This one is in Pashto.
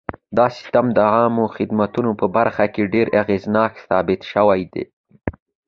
دا سیستم د عامه خدمتونو په برخه کې ډېر اغېزناک ثابت شو.